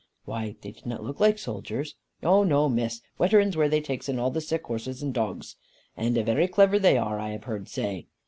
"Why, they did not look like soldiers." "No, no, Miss. Weterans, where they takes in all the sick horses and dogs. And very clever they are, I have heard say."